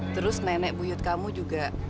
terus nenek buyut kamu juga